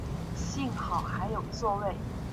幸好还有座位